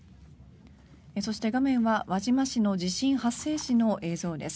そして、画面は輪島市の地震発生時の映像です。